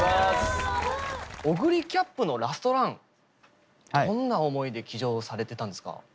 オグリキャップのラストランどんな思いで騎乗されてたんですか？